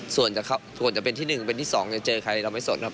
ส่วนจะเป็นที่๑เป็นที่๒จะเจอใครเราไม่สนครับ